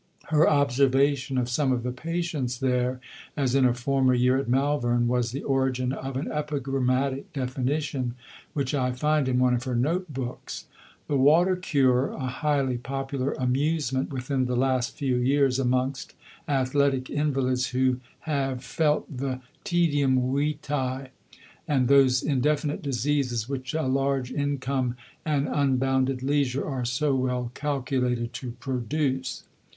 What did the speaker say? Her observation of some of the patients there, as in a former year at Malvern, was the origin of an epigrammatic definition which I find in one of her note books: "The water cure: a highly popular amusement within the last few years amongst athletic invalids who have felt the tedium vitae, and those indefinite diseases which a large income and unbounded leisure are so well calculated to produce."